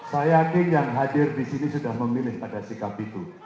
saya yakin yang hadir di sini sudah memilih pada sikap itu